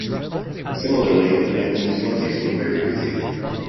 Similarly, the nineteen twenties were very busy.